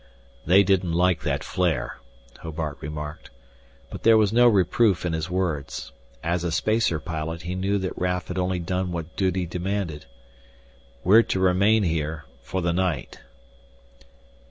"They didn't like that flare," Hobart remarked. But there was no reproof in his words. As a spacer pilot he knew that Raf had only done what duty demanded. "We're to remain here for the night."